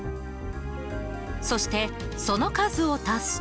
そしてその数を足すと。